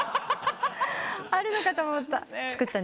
あるのかと思った。